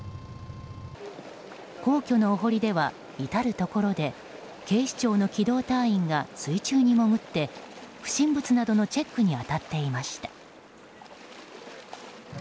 皇居のお濠では至るところで警視庁の機動隊員が水中に潜って不審物などのチェックに当たっていました。